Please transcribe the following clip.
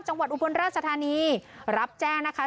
จังหวัดอุบราชธานีรับแจ้งนะคะ